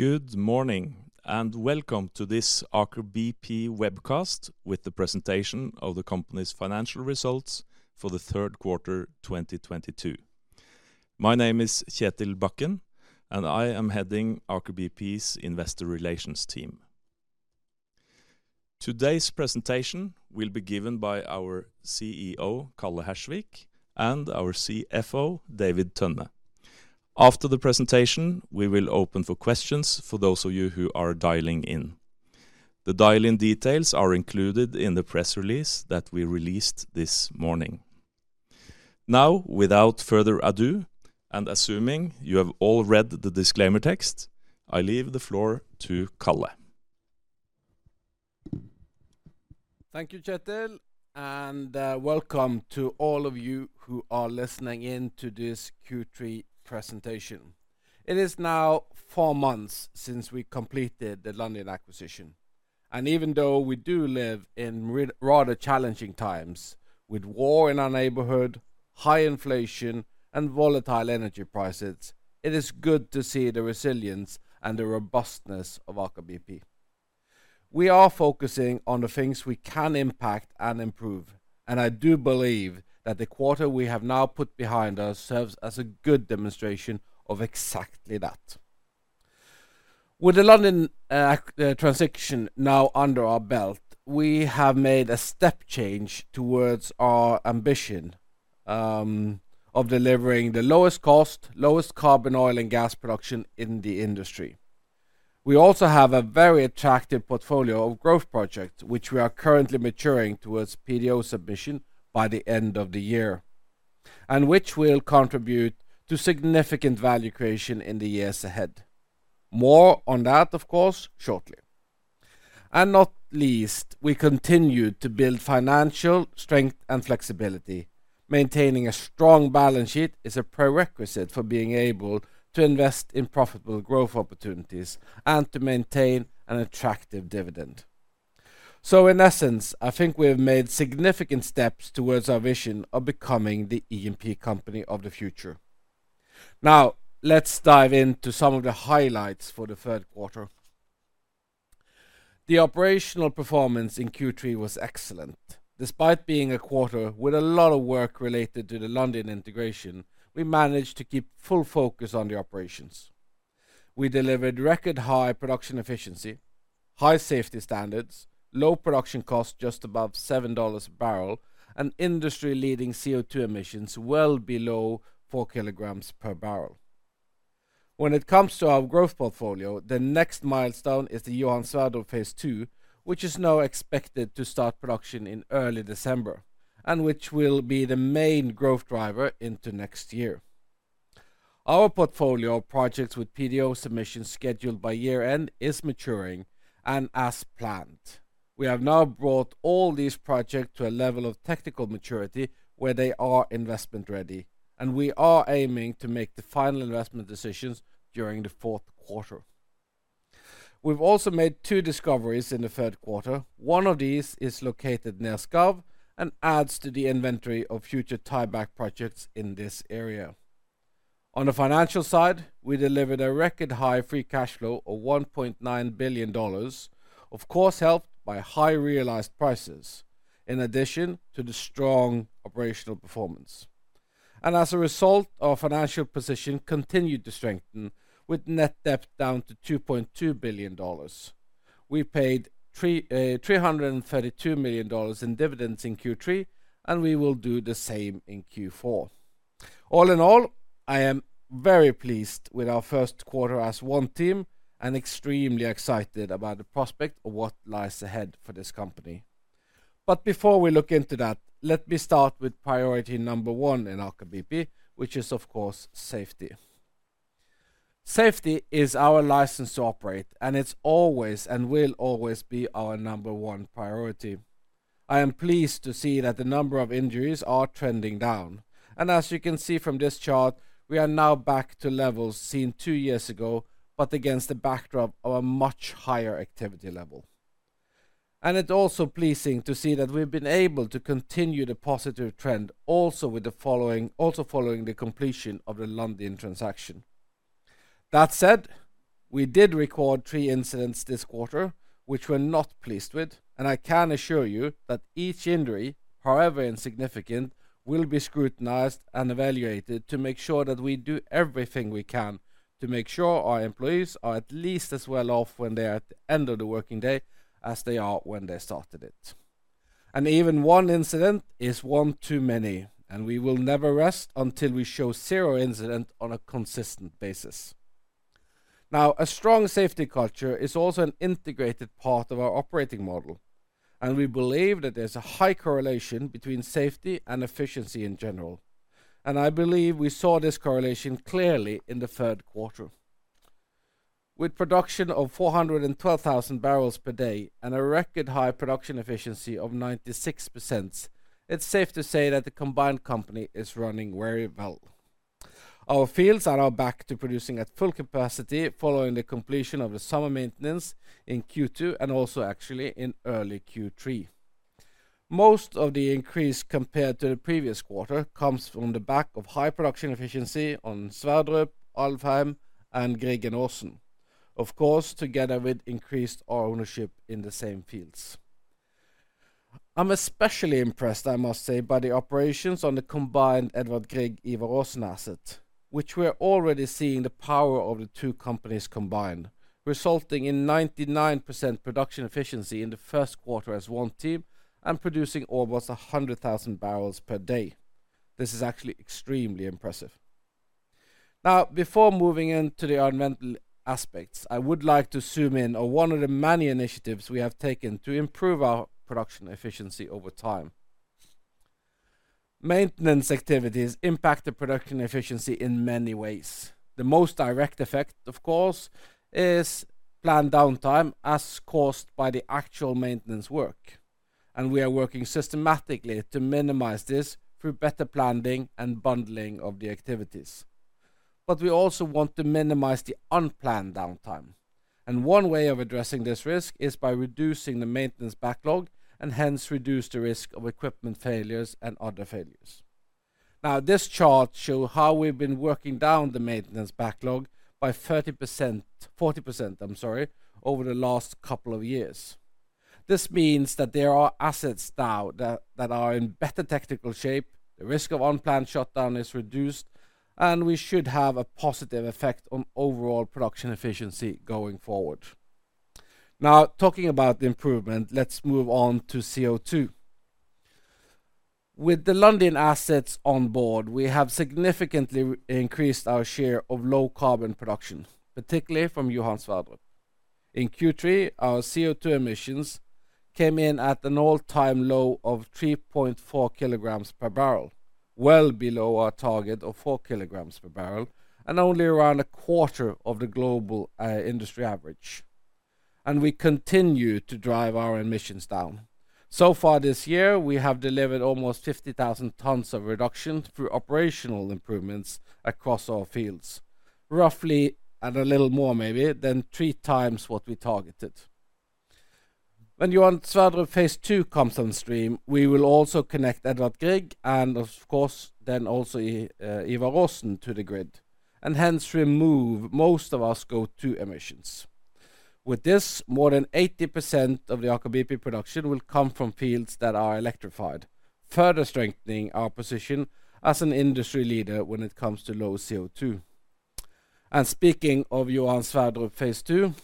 Good morning, and welcome to this Aker BP webcast with the presentation of the company's financial results for the third quarter 2022. My name is Kjetil Bakken, and I am heading Aker BP's investor relations team. Today's presentation will be given by our CEO, Karl Johnny Hersvik, and our CFO, David Tønne. After the presentation, we will open for questions for those of you who are dialing in. The dial-in details are included in the press release that we released this morning. Now, without further ado, and assuming you have all read the disclaimer text, I leave the floor to Karl Johnny Hersvik. Thank you, Kjetil, and welcome to all of you who are listening in to this Q3 presentation. It is now four months since we completed the Lundin acquisition. Even though we do live in rather challenging times with war in our neighborhood, high inflation, and volatile energy prices, it is good to see the resilience and the robustness of Aker BP. We are focusing on the things we can impact and improve, and I do believe that the quarter we have now put behind us serves as a good demonstration of exactly that. With the Lundin transition now under our belt, we have made a step change towards our ambition of delivering the lowest cost, lowest carbon oil and gas production in the industry. We also have a very attractive portfolio of growth projects, which we are currently maturing towards PDO submission by the end of the year, and which will contribute to significant value creation in the years ahead. More on that, of course, shortly. Not least, we continued to build financial strength and flexibility. Maintaining a strong balance sheet is a prerequisite for being able to invest in profitable growth opportunities and to maintain an attractive dividend. In essence, I think we have made significant steps towards our vision of becoming the E&P company of the future. Now, let's dive into some of the highlights for the third quarter. The operational performance in Q3 was excellent. Despite being a quarter with a lot of work related to the Lundin integration, we managed to keep full focus on the operations. We delivered record high production efficiency, high safety standards, low production costs just above $7 a barrel, and industry-leading CO2 emissions well below 4 kilograms per barrel. When it comes to our growth portfolio, the next milestone is the Johan Sverdrup Phase 2, which is now expected to start production in early December, and which will be the main growth driver into next year. Our portfolio of projects with PDO submissions scheduled by year-end is maturing and as planned. We have now brought all these projects to a level of technical maturity where they are investment ready, and we are aiming to make the final investment decisions during the fourth quarter. We have also made 2 discoveries in the third quarter. One of these is located near Skarv and adds to the inventory of future tieback projects in this area. On the financial side, we delivered a record high free cash flow of $1.9 billion, of course, helped by high realized prices in addition to the strong operational performance. As a result, our financial position continued to strengthen with net debt down to $2.2 billion. We paid three hundred and thirty-two million dollars in dividends in Q3, and we will do the same in Q4. All in all, I am very pleased with our first quarter as one team and extremely excited about the prospect of what lies ahead for this company. Before we look into that, let me start with priority number one in Aker BP, which is, of course, safety. Safety is our license to operate, and it's always and will always be our number one priority. I am pleased to see that the number of injuries are trending down. As you can see from this chart, we are now back to levels seen two years ago, but against the backdrop of a much higher activity level. It also pleasing to see that we've been able to continue the positive trend also following the completion of the Lundin transaction. That said, we did record three incidents this quarter, which we're not pleased with, and I can assure you that each injury, however insignificant, will be scrutinized and evaluated to make sure that we do everything we can to make sure our employees are at least as well off when they are at the end of the working day as they are when they started it. Even one incident is one too many, and we will never rest until we show zero incident on a consistent basis. Now, a strong safety culture is also an integrated part of our operating model, and we believe that there's a high correlation between safety and efficiency in general. I believe we saw this correlation clearly in the third quarter. With production of 412,000 barrels per day and a record high production efficiency of 96%, it's safe to say that the combined company is running very well. Our fields are now back to producing at full capacity following the completion of the summer maintenance in Q2 and also actually in early Q3. Most of the increase compared to the previous quarter comes on the back of high production efficiency on Sverdrup, Alvheim, and Grieg and Aasen. Of course, together with increased ownership in the same fields. I'm especially impressed, I must say, by the operations on the combined Edvard Grieg, Ivar Aasen asset, which we are already seeing the power of the two companies combined, resulting in 99% production efficiency in the first quarter as one team and producing almost 100,000 barrels per day. This is actually extremely impressive. Now, before moving into the environmental aspects, I would like to zoom in on one of the many initiatives we have taken to improve our production efficiency over time. Maintenance activities impact the production efficiency in many ways. The most direct effect, of course, is planned downtime as caused by the actual maintenance work, and we are working systematically to minimize this through better planning and bundling of the activities. We also want to minimize the unplanned downtime. One way of addressing this risk is by reducing the maintenance backlog and hence reduce the risk of equipment failures and other failures. Now, this chart show how we've been working down the maintenance backlog by 40%, I'm sorry, over the last couple of years. This means that there are assets now that are in better technical shape, the risk of unplanned shutdown is reduced, and we should have a positive effect on overall production efficiency going forward. Now, talking about the improvement, let's move on to CO2. With the Lundin assets on board, we have significantly increased our share of low carbon production, particularly from Johan Sverdrup. In Q3, our CO2 emissions came in at an all-time low of 3.4 kilograms per barrel, well below our target of 4 kilograms per barrel, and only around a quarter of the global industry average. We continue to drive our emissions down. So far this year, we have delivered almost 50,000 tons of reduction through operational improvements across all fields, roughly and a little more maybe than 3 times what we targeted. When Johan Sverdrup Phase 2 comes on stream, we will also connect Edvard Grieg and of course, then also Ivar Aasen to the grid, and hence remove most of our CO2 emissions. With this, more than 80% of the Aker BP production will come from fields that are electrified, further strengthening our position as an industry leader when it comes to low CO2. Speaking of Johan Sverdrup Phase II,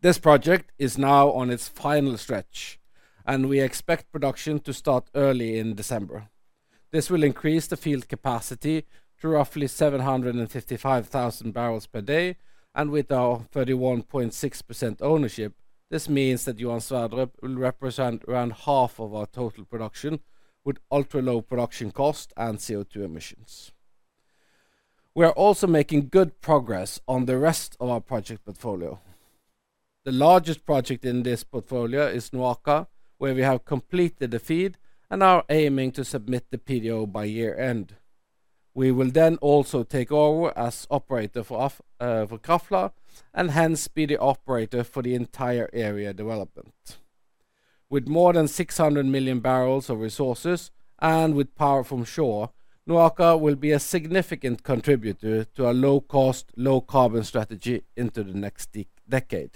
this project is now on its final stretch, and we expect production to start early in December. This will increase the field capacity to roughly 755,000 barrels per day, and with our 31.6% ownership, this means that Johan Sverdrup will represent around half of our total production with ultra-low production cost and CO2 emissions. We are also making good progress on the rest of our project portfolio. The largest project in this portfolio is NOAKA, where we have completed the FEED and are aiming to submit the PDO by year-end. We will then also take over as operator for Krafla and hence be the operator for the entire area development. With more than 600 million barrels of resources and with power from shore, NOAKA will be a significant contributor to a low cost, low carbon strategy into the next decade.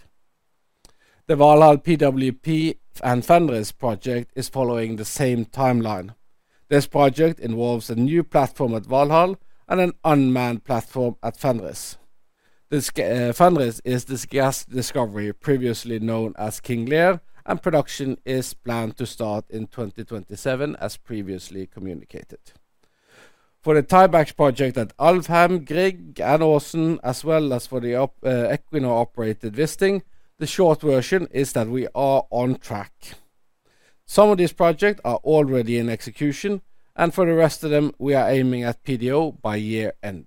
The Valhall PWP and Fenris project is following the same timeline. This project involves a new platform at Valhall and an unmanned platform at Fenris. Fenris is this gas discovery previously known as King Lear, and production is planned to start in 2027, as previously communicated. For the tieback project at Alvheim, Edvard Grieg, and Ivar Aasen, as well as for the Equinor-operated Wisting, the short version is that we are on track. Some of these projects are already in execution, and for the rest of them, we are aiming at PDO by year-end.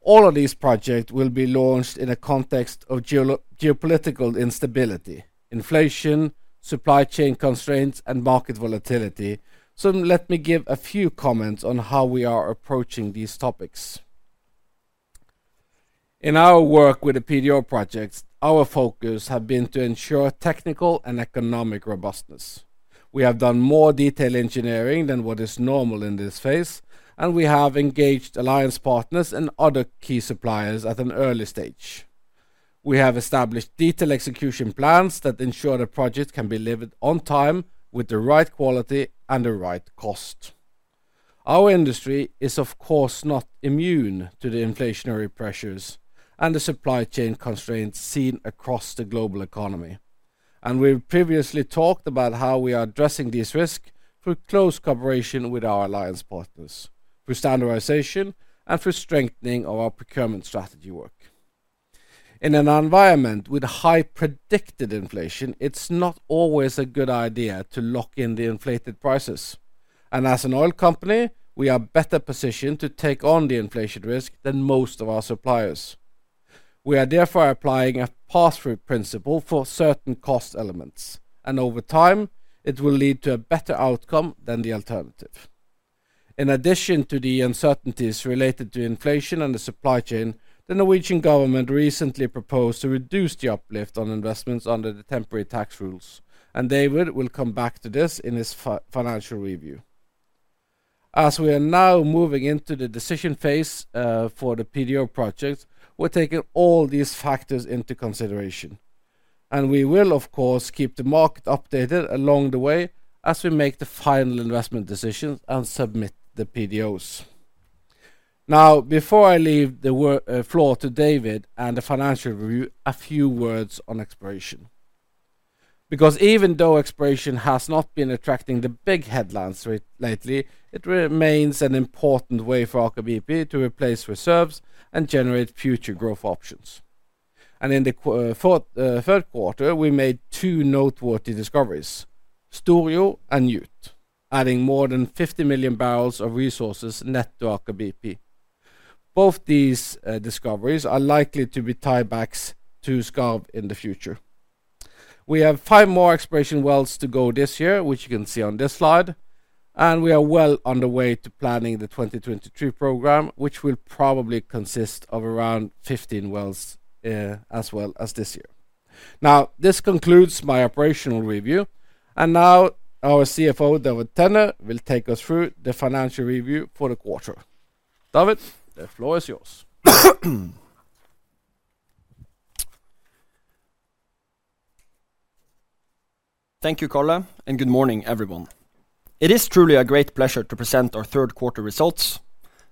All of these projects will be launched in a context of geopolitical instability, inflation, supply chain constraints, and market volatility. Let me give a few comments on how we are approaching these topics. In our work with the PDO projects, our focus have been to ensure technical and economic robustness. We have done more detail engineering than what is normal in this phase, and we have engaged alliance partners and other key suppliers at an early stage. We have established detailed execution plans that ensure the project can be delivered on time with the right quality and the right cost. Our industry is, of course, not immune to the inflationary pressures and the supply chain constraints seen across the global economy. We've previously talked about how we are addressing this risk through close cooperation with our alliance partners, through standardization, and through strengthening of our procurement strategy work. In an environment with high predicted inflation, it's not always a good idea to lock in the inflated prices. As an oil company, we are better positioned to take on the inflation risk than most of our suppliers. We are therefore applying a pass-through principle for certain cost elements, and over time, it will lead to a better outcome than the alternative. In addition to the uncertainties related to inflation and the supply chain, the Norwegian government recently proposed to reduce the uplift on investments under the temporary tax rules. David will come back to this in his financial review. As we are now moving into the decision phase, for the PDO projects, we're taking all these factors into consideration, and we will, of course, keep the market updated along the way as we make the final investment decisions and submit the PDOs. Now, before I leave the floor to David and the financial review, a few words on exploration. Because even though exploration has not been attracting the big headlines recently, it remains an important way for Aker BP to replace reserves and generate future growth options. In the third quarter, we made two noteworthy discoveries, Storjo and Njut, adding more than 50 million barrels of resources net to Aker BP. Both these discoveries are likely to be tiebacks to Skarv in the future. We have five more exploration wells to go this year, which you can see on this slide, and we are well on the way to planning the 2023 program, which will probably consist of around 15 wells, as well as this year. Now, this concludes my operational review and now our CFO, David Tønne, will take us through the financial review for the quarter. David, the floor is yours. Thank you, Karl, and good morning, everyone. It is truly a great pleasure to present our third quarter results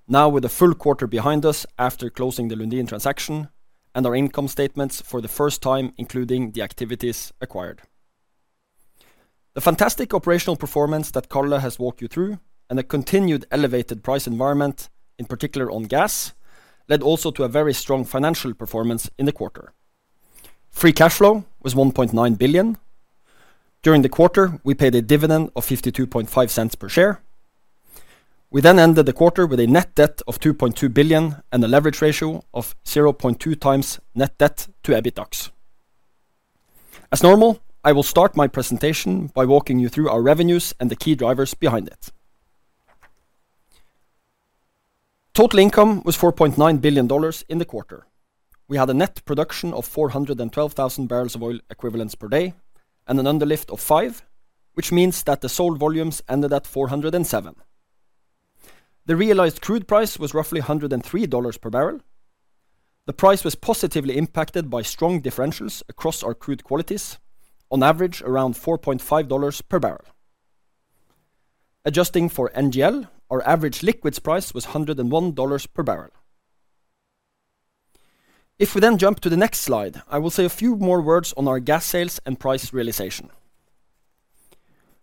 now with a full quarter behind us after closing the Lundin transaction and our income statements for the first time, including the activities acquired. The fantastic operational performance that Karl has walked you through and a continued elevated price environment, in particular on gas, led also to a very strong financial performance in the quarter. Free cash flow was $1.9 billion. During the quarter, we paid a dividend of $0.525 per share. We then ended the quarter with a net debt of $2.2 billion and a leverage ratio of 0.2 times net debt to EBITDA. As normal, I will start my presentation by walking you through our revenues and the key drivers behind it. Total income was $4.9 billion in the quarter. We had a net production of 412,000 barrels of oil equivalents per day and an underlift of 5, which means that the sold volumes ended at 407. The realized crude price was roughly $103 per barrel. The price was positively impacted by strong differentials across our crude qualities, on average, around $4.5 per barrel. Adjusting for NGL, our average liquids price was $101 per barrel. If we then jump to the next slide, I will say a few more words on our gas sales and price realization.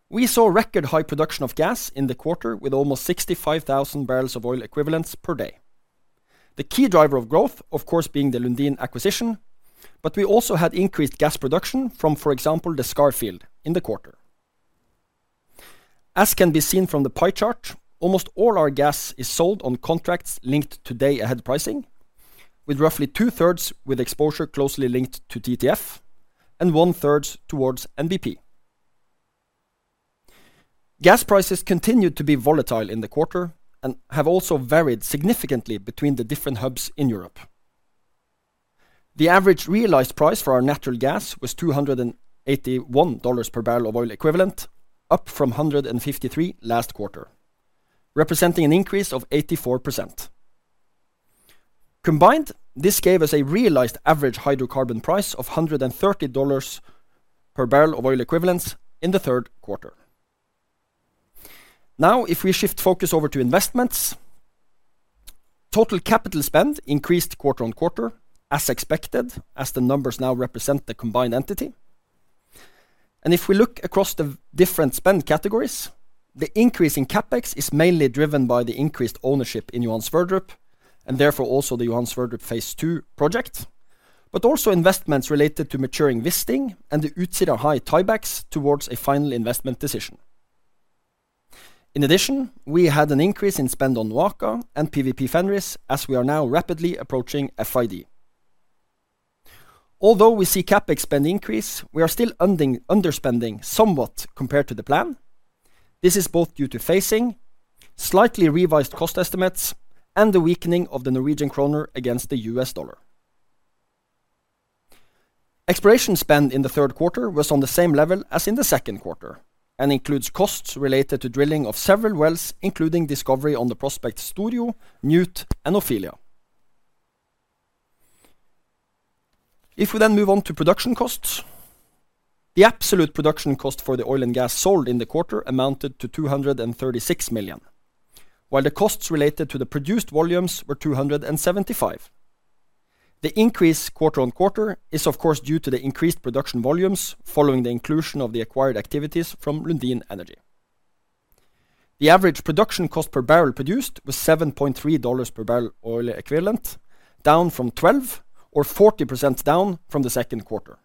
We saw record high production of gas in the quarter with almost 65,000 barrels of oil equivalents per day. The key driver of growth, of course, being the Lundin acquisition, but we also had increased gas production from, for example, the Skarv field in the quarter. As can be seen from the pie chart, almost all our gas is sold on contracts linked to day-ahead pricing, with roughly two-thirds with exposure closely linked to TTF and one third towards NBP. Gas prices continued to be volatile in the quarter and have also varied significantly between the different hubs in Europe. The average realized price for our natural gas was $281 per barrel of oil equivalent, up from $153 last quarter, representing an increase of 84%. Combined, this gave us a realized average hydrocarbon price of $130 per barrel of oil equivalents in the third quarter. Now, if we shift focus over to investments, total capital spend increased quarter-on-quarter as expected, as the numbers now represent the combined entity. If we look across the different spend categories, the increase in CapEx is mainly driven by the increased ownership in Johan Sverdrup, and therefore also the Johan Sverdrup phase II project, but also investments related to maturing Wisting and the Utsira High tiebacks towards a final investment decision. In addition, we had an increase in spend on NOAKA and PWP-Fenris as we are now rapidly approaching FID. Although we see CapEx spend increase, we are still underspending somewhat compared to the plan. This is both due to phasing, slightly revised cost estimates, and the weakening of the Norwegian kroner against the U.S. dollar. Exploration spend in the third quarter was on the same level as in the second quarter and includes costs related to drilling of several wells, including discovery on the prospects Storjo, Njut, and Ofelia. If we then move on to production costs, the absolute production cost for the oil and gas sold in the quarter amounted to $236 million, while the costs related to the produced volumes were $275 million. The increase quarter on quarter is of course due to the increased production volumes following the inclusion of the acquired activities from Lundin Energy. The average production cost per barrel produced was $7.3 per barrel oil equivalent, down from $12 or 40% down from the second quarter.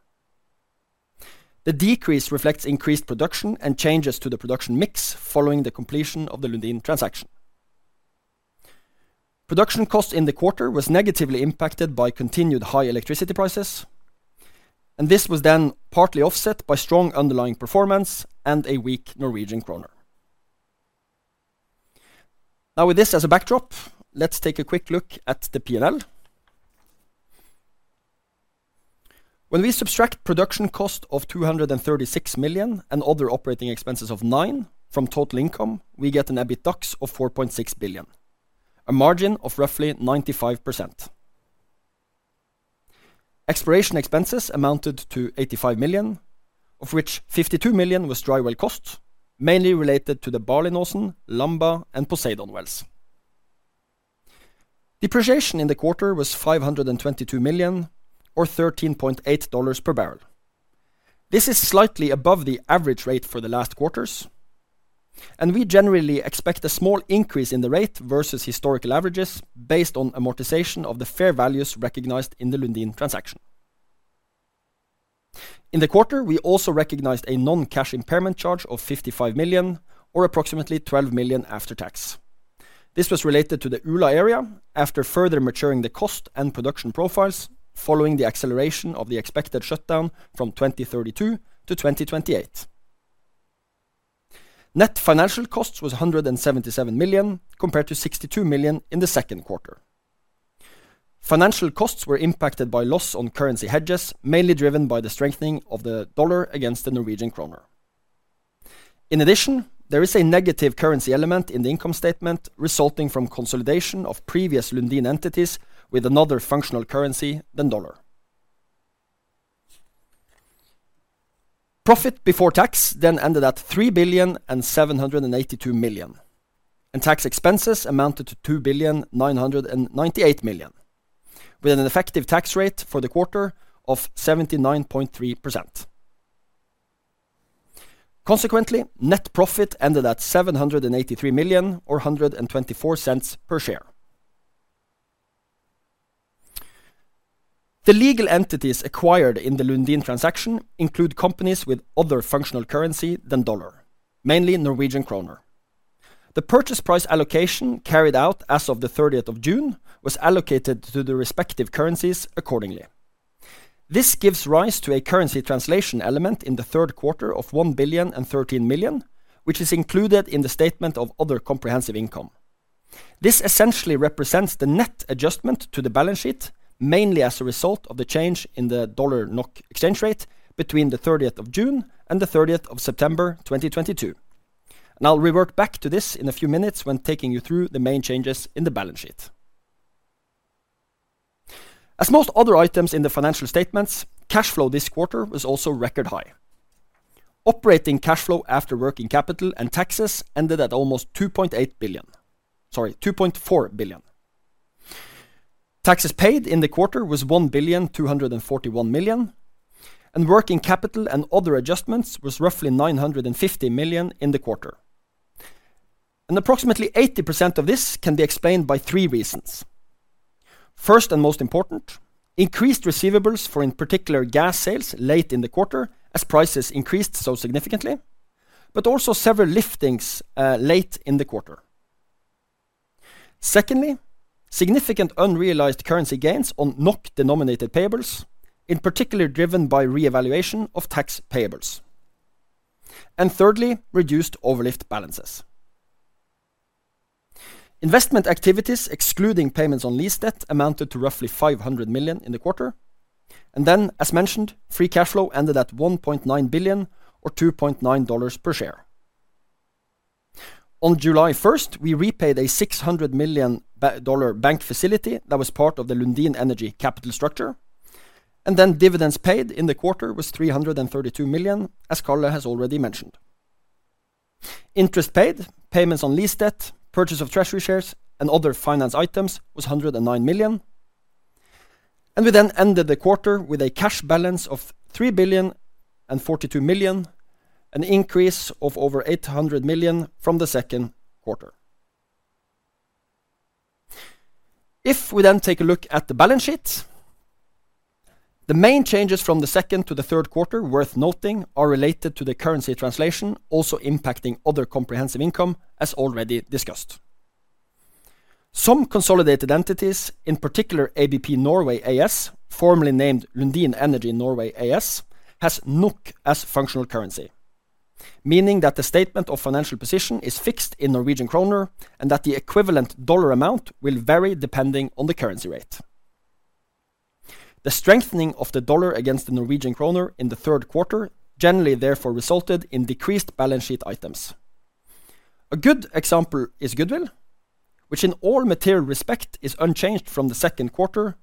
The decrease reflects increased production and changes to the production mix following the completion of the Lundin transaction. Production cost in the quarter was negatively impacted by continued high electricity prices, and this was then partly offset by strong underlying performance and a weak Norwegian kroner. Now, with this as a backdrop, let's take a quick look at the P&L. When we subtract production cost of $236 million and other operating expenses of $9 million from total income, we get an EBITDAX of $4.6 billion, a margin of roughly 95%. Exploration expenses amounted to $85 million, of which $52 million was dry well cost, mainly related to the Bellenosen, Lambda, and Poseidon wells. Depreciation in the quarter was $522 million or $13.8 per barrel. This is slightly above the average rate for the last quarters, and we generally expect a small increase in the rate versus historical averages based on amortization of the fair values recognized in the Lundin transaction. In the quarter, we also recognized a non-cash impairment charge of $55 million or approximately $12 million after tax. This was related to the Ula area after further maturing the cost and production profiles following the acceleration of the expected shutdown from 2032 to 2028. Net financial cost was $177 million compared to $62 million in the second quarter. Financial costs were impacted by loss on currency hedges, mainly driven by the strengthening of the dollar against the Norwegian kroner. In addition, there is a negative currency element in the income statement resulting from consolidation of previous Lundin entities with another functional currency than dollar. Profit before tax ended at $3.782 billion, and tax expenses amounted to $2.998 billion, with an effective tax rate for the quarter of 79.3%. Consequently, net profit ended at $783 million or $1.24 per share. The legal entities acquired in the Lundin transaction include companies with other functional currency than dollar, mainly Norwegian kroner. The purchase price allocation carried out as of the thirtieth of June was allocated to the respective currencies accordingly. This gives rise to a currency translation element in the third quarter of $1.013 billion, which is included in the statement of other comprehensive income. This essentially represents the net adjustment to the balance sheet, mainly as a result of the change in the dollar-NOK exchange rate between the 30th of June and the 30th of September 2022. I'll revert back to this in a few minutes when taking you through the main changes in the balance sheet. As most other items in the financial statements, cash flow this quarter was also record high. Operating cash flow after working capital and taxes ended at almost $2.8 billion. Sorry, $2.4 billion. Taxes paid in the quarter was $1.241 billion, and working capital and other adjustments was roughly $950 million in the quarter. Approximately 80% of this can be explained by three reasons. First, and most important, increased receivables for, in particular, gas sales late in the quarter as prices increased so significantly, but also several liftings late in the quarter. Secondly, significant unrealized currency gains on NOK-denominated payables, in particular driven by reevaluation of tax payables. And thirdly, reduced overlift balances. Investment activities, excluding payments on lease debt, amounted to roughly $500 million in the quarter. As mentioned, free cash flow ended at $1.9 billion or $2.9 per share. On July first, we repaid a $600 million dollar bank facility that was part of the Lundin Energy capital structure, and dividends paid in the quarter was $332 million, as Karl has already mentioned. Interest paid, payments on lease debt, purchase of treasury shares, and other finance items was $109 million. We then ended the quarter with a cash balance of $3 billion and $42 million, an increase of over $800 million from the second quarter. If we then take a look at the balance sheet, the main changes from the second to the third quarter worth noting are related to the currency translation also impacting other comprehensive income as already discussed. Some consolidated entities, in particular ABP Norway AS, formerly named Lundin Energy Norway AS, has NOK as functional currency, meaning that the statement of financial position is fixed in Norwegian kroner and that the equivalent dollar amount will vary depending on the currency rate. The strengthening of the dollar against the Norwegian kroner in the third quarter generally therefore resulted in decreased balance sheet items. A good example is goodwill, which in all material respect is unchanged from the second quarter,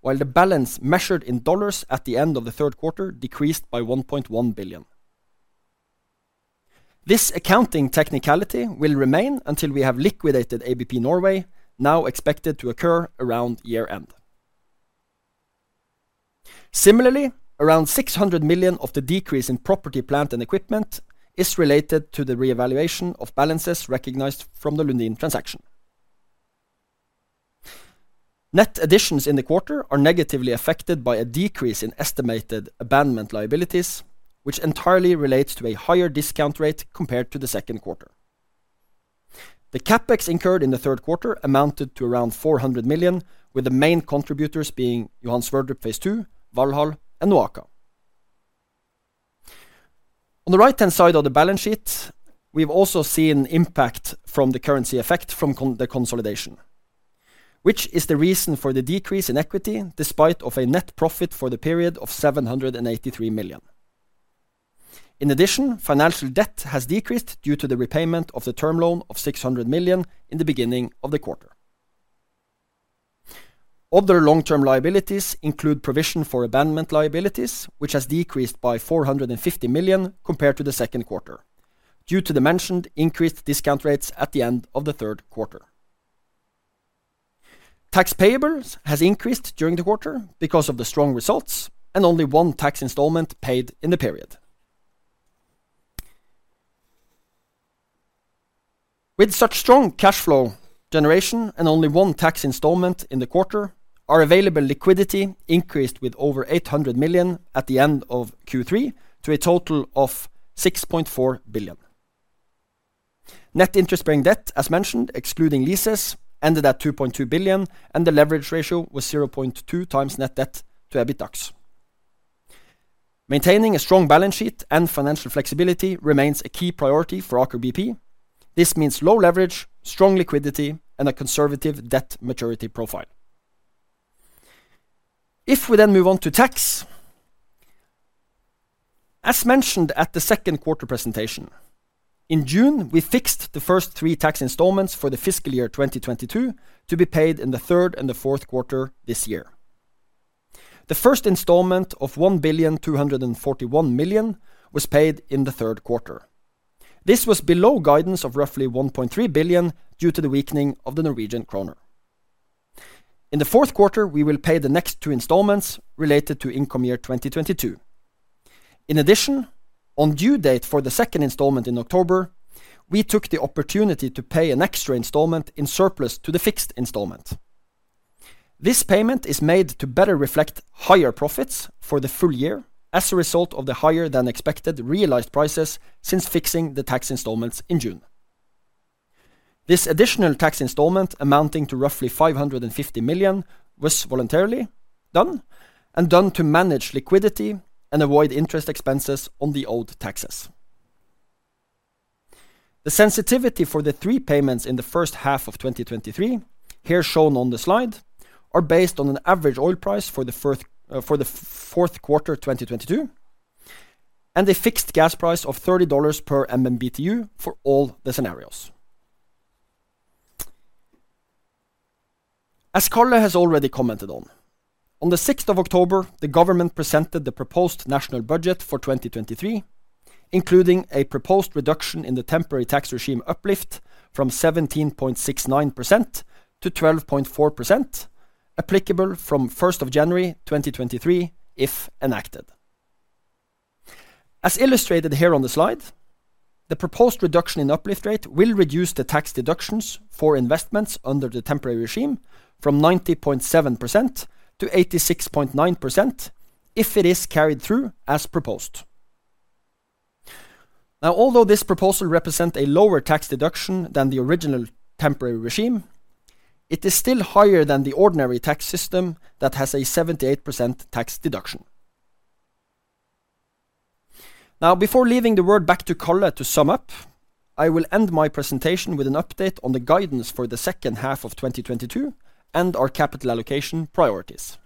while the balance measured in dollars at the end of the third quarter decreased by $1.1 billion. This accounting technicality will remain until we have liquidated ABP Norway, now expected to occur around year-end. Similarly, around $600 million of the decrease in property, plant and equipment is related to the reevaluation of balances recognized from the Lundin transaction. Net additions in the quarter are negatively affected by a decrease in estimated abandonment liabilities, which entirely relates to a higher discount rate compared to the second quarter. The CapEx incurred in the third quarter amounted to around $400 million, with the main contributors being Johan Sverdrup phase II, Valhall, and NOAKA. On the right-hand side of the balance sheet, we've also seen impact from the currency effect from the consolidation, which is the reason for the decrease in equity despite of a net profit for the period of $783 million. In addition, financial debt has decreased due to the repayment of the term loan of $600 million in the beginning of the quarter. Other long-term liabilities include provision for abandonment liabilities, which has decreased by $450 million compared to the second quarter due to the mentioned increased discount rates at the end of the third quarter. Tax payables has increased during the quarter because of the strong results and only one tax installment paid in the period. With such strong cash flow generation and only one tax installment in the quarter, our available liquidity increased by over $800 million at the end of Q3 to a total of $6.4 billion. Net interest-bearing debt, as mentioned, excluding leases, ended at $2.2 billion, and the leverage ratio was 0.2x net debt to EBITDAX. Maintaining a strong balance sheet and financial flexibility remains a key priority for Aker BP. This means low leverage, strong liquidity, and a conservative debt maturity profile. If we move on to tax, as mentioned at the second quarter presentation, in June, we fixed the first three tax installments for the fiscal year 2022 to be paid in the third and the fourth quarter this year. The first installment of $1.241 billion was paid in the third quarter. This was below guidance of roughly $1.3 billion due to the weakening of the Norwegian kroner. In the fourth quarter, we will pay the next two installments related to income year 2022. In addition, on due date for the second installment in October, we took the opportunity to pay an extra installment in surplus to the fixed installment. This payment is made to better reflect higher profits for the full year as a result of the higher than expected realized prices since fixing the tax installments in June. This additional tax installment amounting to roughly $550 million was voluntarily done to manage liquidity and avoid interest expenses on the old taxes. The sensitivity for the three payments in the first half of 2023, here shown on the slide, are based on an average oil price for the fourth quarter 2022 and a fixed gas price of $30 per MMBtu for all the scenarios. As Karl Johnny Hersvik has already commented on the sixth of October, the government presented the proposed national budget for 2023, including a proposed reduction in the temporary tax regime uplift from 17.69% to 12.4%, applicable from first of January 2023 if enacted. As illustrated here on the slide, the proposed reduction in uplift rate will reduce the tax deductions for investments under the temporary regime from 90.7% to 86.9% if it is carried through as proposed. Now, although this proposal represent a lower tax deduction than the original temporary regime, it is still higher than the ordinary tax system that has a 78% tax deduction. Now, before leaving the word back to Karl to sum up, I will end my presentation with an update on the guidance for the second half of 2022 and our capital allocation priorities.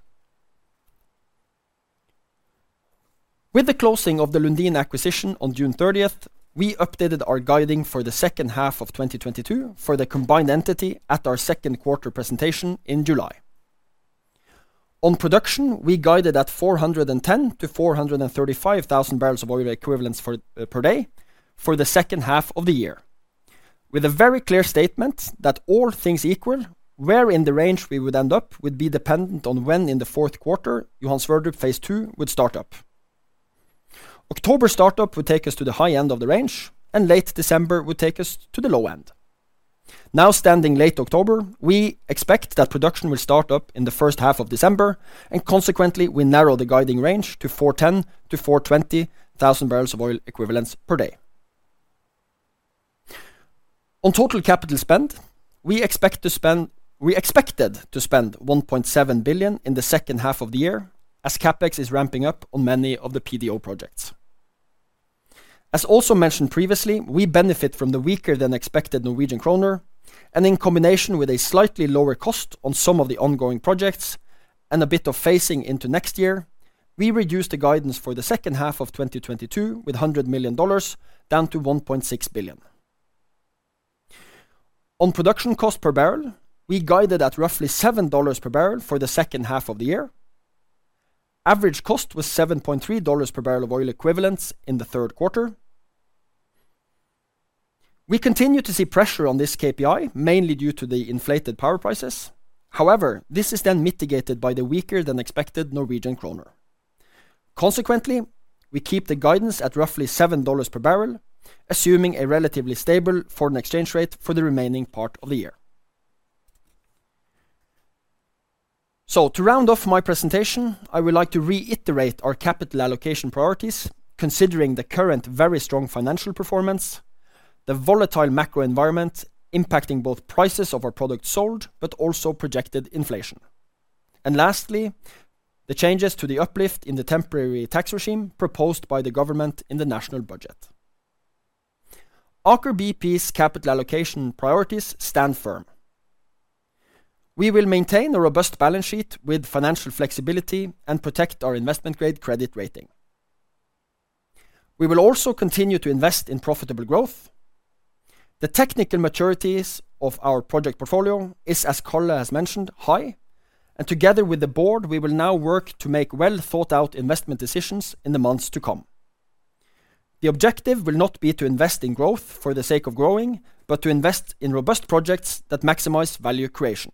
With the closing of the Lundin acquisition on June thirtieth, we updated our guidance for the second half of 2022 for the combined entity at our second quarter presentation in July. On production, we guided at 410 to 435 thousand barrels of oil equivalents per day for the second half of the year, with a very clear statement that all things equal, where in the range we would end up would be dependent on when in the fourth quarter Johan Sverdrup phase II would start up. October startup would take us to the high end of the range, and late December would take us to the low end. Now, standing late October, we expect that production will start up in the first half of December, and consequently, we narrow the guiding range to 410 to 420 thousand barrels of oil equivalents per day. On total capital spend, we expected to spend $1.7 billion in the second half of the year as CapEx is ramping up on many of the PDO projects. As also mentioned previously, we benefit from the weaker than expected Norwegian kroner, and in combination with a slightly lower cost on some of the ongoing projects and a bit of phasing into next year, we reduced the guidance for the second half of 2022 with $100 million down to $1.6 billion. On production cost per barrel, we guided at roughly $7 per barrel for the second half of the year. Average cost was $7.3 per barrel of oil equivalents in the third quarter. We continue to see pressure on this KPI, mainly due to the inflated power prices. However, this is then mitigated by the weaker than expected Norwegian kroner. Consequently, we keep the guidance at roughly $7 per barrel, assuming a relatively stable foreign exchange rate for the remaining part of the year. To round off my presentation, I would like to reiterate our capital allocation priorities, considering the current very strong financial performance, the volatile macro environment impacting both prices of our products sold, but also projected inflation. Lastly, the changes to the uplift in the temporary tax regime proposed by the government in the national budget. Aker BP's capital allocation priorities stand firm. We will maintain a robust balance sheet with financial flexibility and protect our investment-grade credit rating. We will also continue to invest in profitable growth. The technical maturities of our project portfolio is, as Karl has mentioned, high, and together with the board, we will now work to make well-thought-out investment decisions in the months to come. The objective will not be to invest in growth for the sake of growing, but to invest in robust projects that maximize value creation.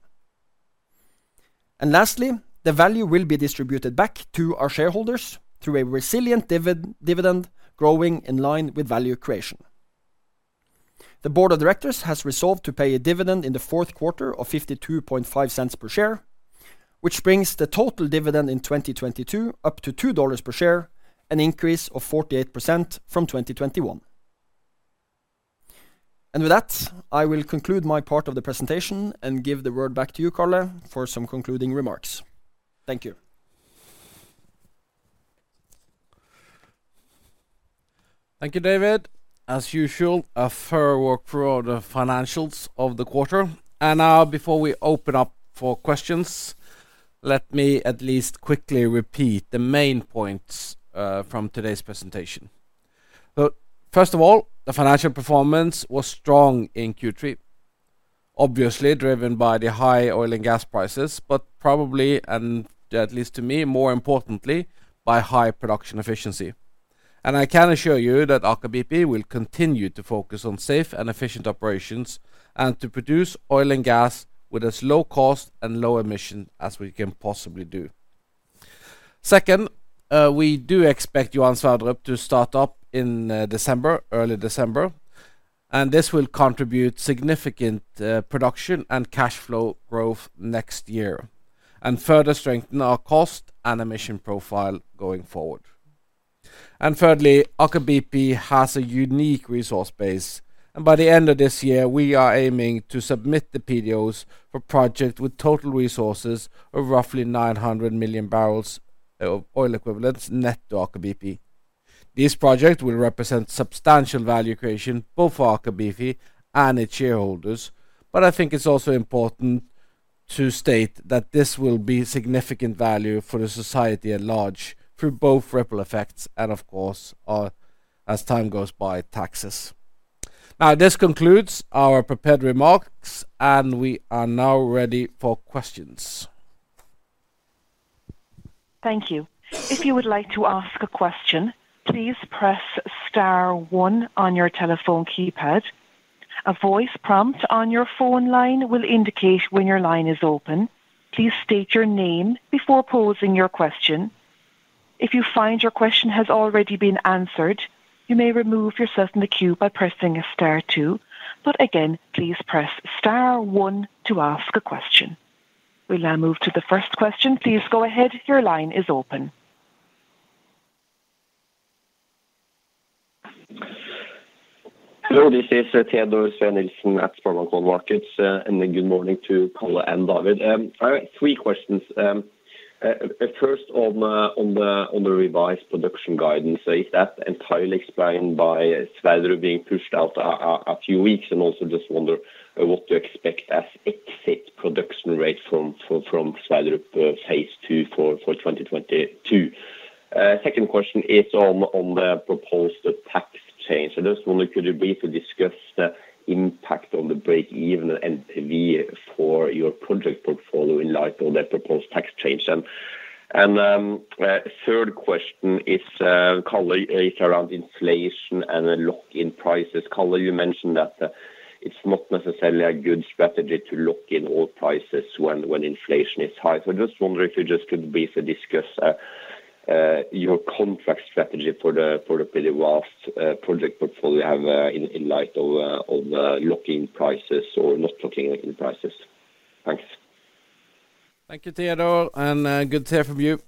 Lastly, the value will be distributed back to our shareholders through a resilient dividend growing in line with value creation. The Board of Directors has resolved to pay a dividend in the fourth quarter of $0.525 per share, which brings the total dividend in 2022 up to $2 per share, an increase of 48% from 2021. With that, I will conclude my part of the presentation and give the word back to you, Karl, for some concluding remarks. Thank you. Thank you, David. As usual, a thorough work through all the financials of the quarter. Now before we open up for questions, let me at least quickly repeat the main points from today's presentation. First of all, the financial performance was strong in Q3, obviously driven by the high oil and gas prices, but probably, and at least to me, more importantly, by high production efficiency. I can assure you that Aker BP will continue to focus on safe and efficient operations and to produce oil and gas with as low cost and low emission as we can possibly do. Second, we do expect Johan Sverdrup to start up in December, early December, and this will contribute significant production and cash flow growth next year and further strengthen our cost and emission profile going forward. Thirdly, Aker BP has a unique resource base, and by the end of this year, we are aiming to submit the PDOs for project with total resources of roughly 900 million barrels of oil equivalents net to Aker BP. This project will represent substantial value creation both for Aker BP and its shareholders, but I think it's also important to state that this will be significant value for the society at large through both ripple effects and, of course, as time goes by, taxes. Now, this concludes our prepared remarks, and we are now ready for questions. Thank you. If you would like to ask a question, please press star one on your telephone keypad. A voice prompt on your phone line will indicate when your line is open. Please state your name before posing your question. If you find your question has already been answered, you may remove yourself from the queue by pressing star two. Again, please press star one to ask a question. We'll now move to the first question. Please go ahead. Your line is open. Hello, this is Teodor Sveen-Nilsen at SpareBank 1 Markets, and a good morning to Karl and David. I have three questions. First on the revised production guidance. Is that entirely explained by Sverdrup being pushed out a few weeks? Also just wonder what to expect as exit production rate from Sverdrup phase two for 2022. Second question is on the proposed tax change. I just wonder could you briefly discuss the impact on the break-even NPV for your project portfolio in light of that proposed tax change? Third question is Karl, around inflation and lock-in prices. Karl, you mentioned that it's not necessarily a good strategy to lock in all prices when inflation is high. I just wonder if you just could briefly discuss your contract strategy for the pretty vast project portfolio you have in light of locking prices or not locking in prices. Thanks. Thank you, Teodor, and good to hear from you.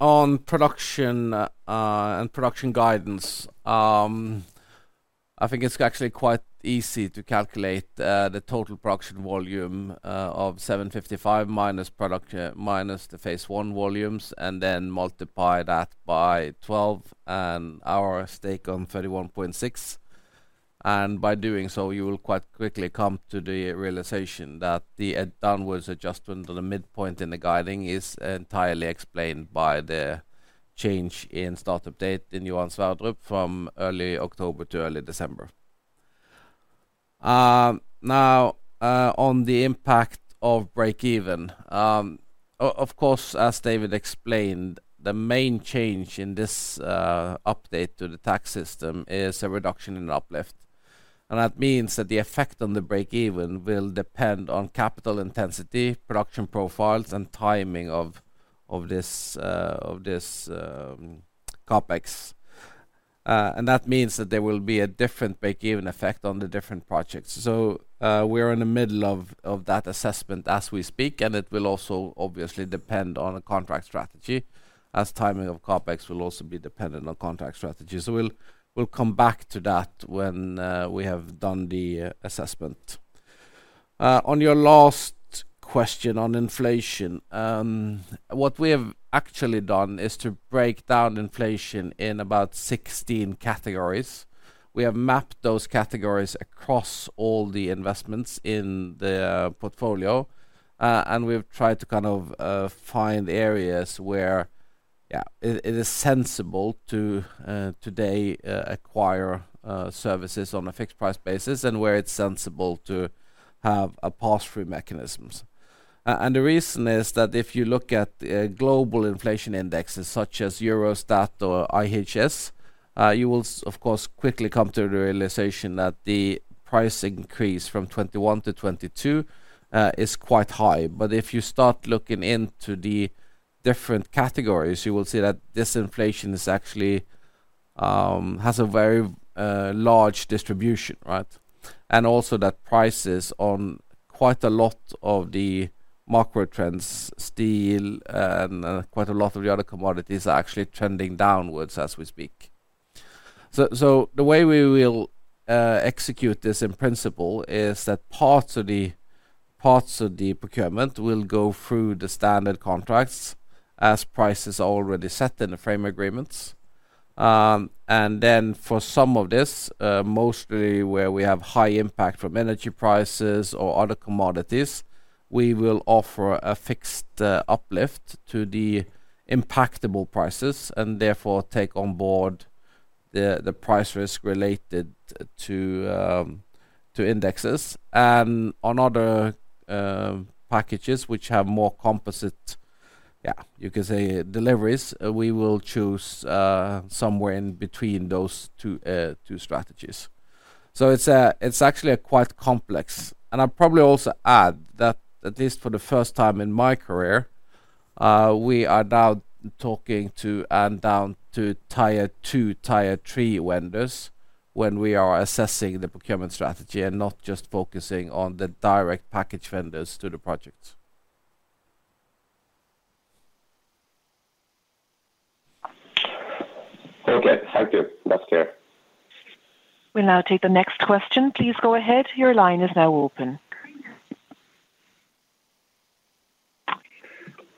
On production and production guidance, I think it's actually quite easy to calculate the total production volume of 755 minus the phase one volumes and then multiply that by 12 and our stake of 31.6%. By doing so, you will quite quickly come to the realization that the downward adjustment to the midpoint in the guidance is entirely explained by the change in start-up date in Johan Sverdrup from early October to early December. Now, on the impact of breakeven, of course, as David explained, the main change in this update to the tax system is a reduction in uplift. That means that the effect on the breakeven will depend on capital intensity, production profiles, and timing of this CapEx, and that means that there will be a different breakeven effect on the different projects. We're in the middle of that assessment as we speak, and it will also obviously depend on a contract strategy as timing of CapEx will also be dependent on contract strategy. We'll come back to that when we have done the assessment. On your last question on inflation, what we have actually done is to break down inflation in about 16 categories. We have mapped those categories across all the investments in the portfolio, and we've tried to kind of find areas where, yeah, it is sensible to today acquire services on a fixed price basis and where it's sensible to have a pass-through mechanisms. The reason is that if you look at global inflation indexes such as Eurostat or IHS, you will of course quickly come to the realization that the price increase from 2021 to 2022 is quite high. If you start looking into the different categories, you will see that this inflation is actually has a very large distribution, right? Also that prices on quite a lot of the macro trends, steel and quite a lot of the other commodities are actually trending downwards as we speak. The way we will execute this in principle is that parts of the procurement will go through the standard contracts as prices are already set in the frame agreements. For some of this, mostly where we have high impact from energy prices or other commodities, we will offer a fixed uplift to the impactable prices and therefore take on board the price risk related to indexes. On other packages which have more composite, yeah, you could say deliveries, we will choose somewhere in between those two strategies. It's actually a quite complex. I'd probably also add that at least for the first time in my career, we are now talking to, and down to, tier two, tier three vendors when we are assessing the procurement strategy and not just focusing on the direct package vendors to the projects. Okay. Thank you. That's fair. We'll now take the next question. Please go ahead. Your line is now open.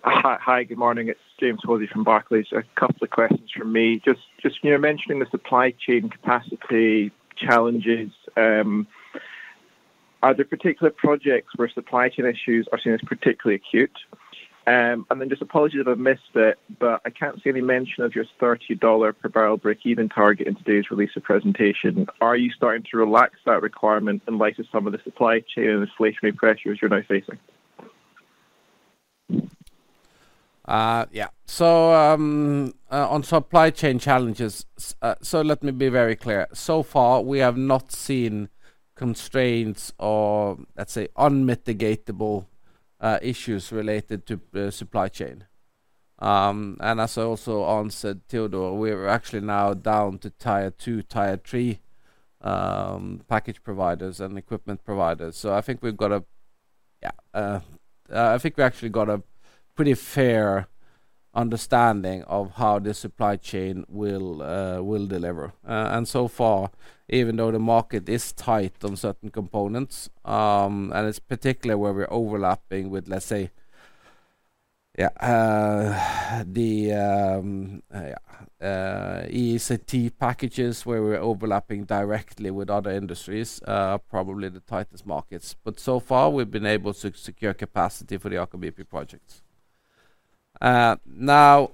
Hi. Good morning. It's James Hosie from Barclays. A couple of questions from me. Just you know, mentioning the supply chain capacity challenges, are there particular projects where supply chain issues are seen as particularly acute? And then just apologies if I missed it, but I can't see any mention of your $30 per barrel breakeven target in today's release or presentation. Are you starting to relax that requirement in light of some of the supply chain and inflationary pressures you're now facing? On supply chain challenges, let me be very clear. So far, we have not seen constraints or, let's say, unmitigable issues related to supply chain. As I also answered Teodor, we're actually now down to tier two, tier three package providers and equipment providers. I think we actually got a pretty fair understanding of how the supply chain will deliver. So far, even though the market is tight on certain components, and it's particularly where we're overlapping with, let's say, the E&I packages where we're overlapping directly with other industries, probably the tightest markets. We've been able to secure capacity for the Aker BP projects. Now,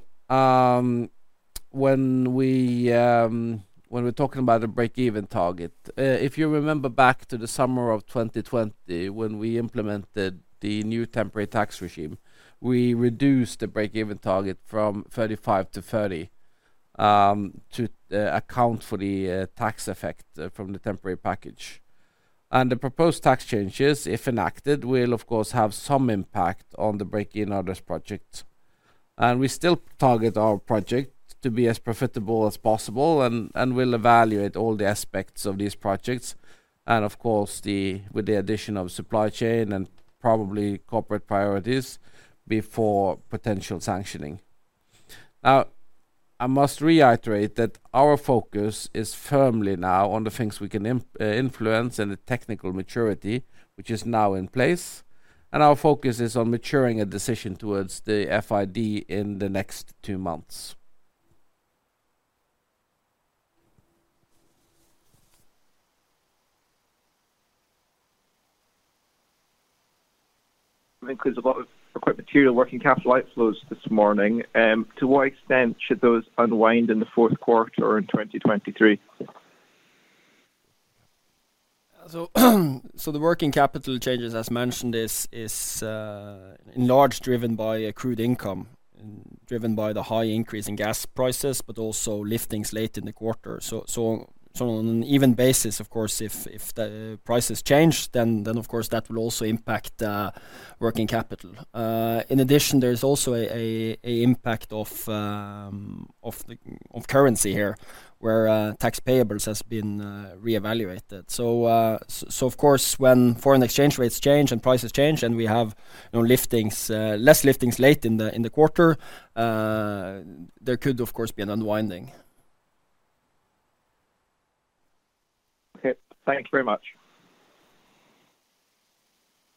when we're talking about a break-even target, if you remember back to the summer of 2020 when we implemented the new temporary tax regime, we reduced the break-even target from $35 to $30 to account for the tax effect from the temporary package. The proposed tax changes, if enacted, will of course have some impact on the break-even on this project. We still target our project to be as profitable as possible and we'll evaluate all the aspects of these projects, and of course, with the addition of supply chain and probably corporate priorities before potential sanctioning. I must reiterate that our focus is firmly now on the things we can influence and the technical maturity, which is now in place. Our focus is on maturing a decision towards the FID in the next two months. That includes a lot of quite material working capital outflows this morning. To what extent should those unwind in the fourth quarter or in 2023? The working capital changes, as mentioned, is in large part driven by accrued income driven by the high increase in gas prices, but also liftings late in the quarter. On an even basis, of course, if the prices change, then of course, that will also impact working capital. In addition, there is also an impact of currency here where tax payables has been reevaluated. So of course, when foreign exchange rates change and prices change and we have no liftings, less liftings late in the quarter, there could, of course, be an unwinding. Okay. Thank you very much.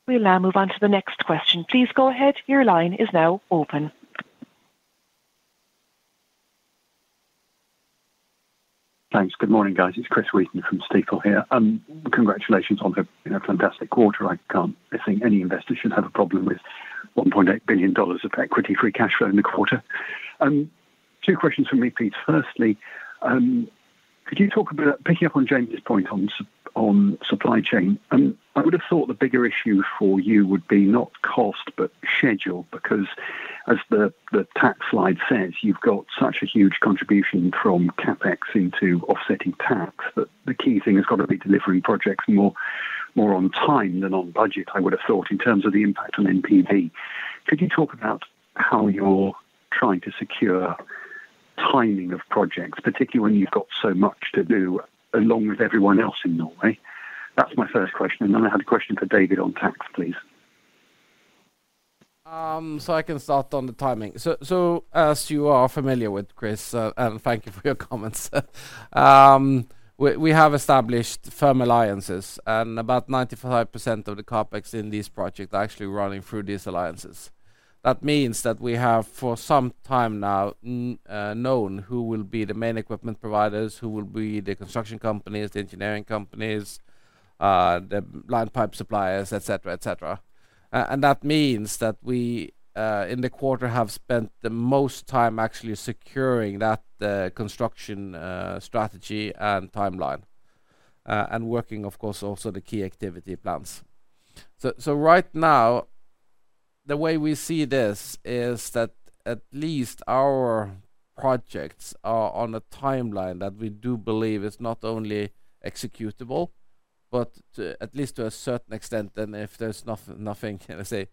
We now move on to the next question. Please go ahead. Your line is now open. Thanks. Good morning, guys. It's Chris Wheaton from Stifel here. Congratulations on a, you know, fantastic quarter. I think any investor shouldn't have a problem with $1.8 billion of equity-free cash flow in the quarter. Two questions from me, please. Firstly, could you talk about picking up on James Hosie's point on supply chain? I would have thought the bigger issue for you would be not cost but schedule, because as the tax slide says, you've got such a huge contribution from CapEx into offsetting tax, that the key thing has got to be delivering projects more on time than on budget, I would have thought, in terms of the impact on NPV. Could you talk about how you're trying to secure timing of projects, particularly when you've got so much to do along with everyone else in Norway? That's my first question. I had a question for David on tax, please. I can start on the timing, as you are familiar with Chris, and thank you for your comments. We have established firm alliances, and about 95% of the CapEx in this project are actually running through these alliances. That means that we have, for some time now, known who will be the main equipment providers, who will be the construction companies, the engineering companies, the line pipe suppliers, et cetera. That means that we, in the quarter, have spent the most time actually securing that construction strategy and timeline, and working, of course, also the key activity plans. Right now, the way we see this is that at least our projects are on a timeline that we do believe is not only executable, but to at least a certain extent, and if there's nothing, let's say,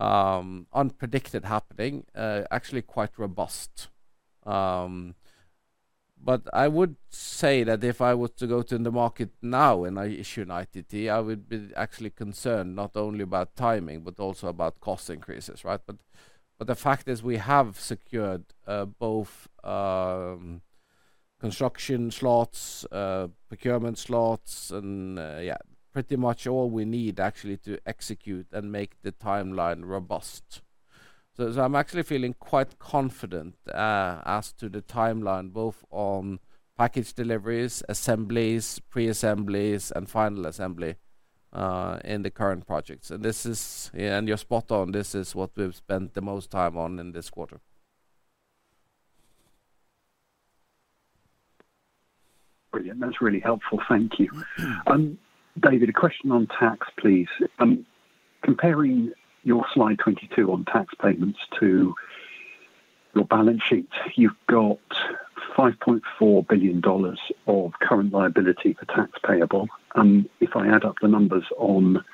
unpredicted happening, actually quite robust. I would say that if I were to go to the market now and I issue an ITT, I would be actually concerned not only about timing but also about cost increases, right? The fact is we have secured both construction slots, procurement slots and pretty much all we need actually to execute and make the timeline robust. I'm actually feeling quite confident as to the timeline, both on package deliveries, assemblies, pre-assemblies and final assembly in the current projects. This is. You're spot on. This is what we've spent the most time on in this quarter. Brilliant. That's really helpful. Thank you. David, a question on tax, please. Comparing your slide 22 on tax payments to your balance sheet, you've got $5.4 billion of current liability for tax payable. If I add up the numbers on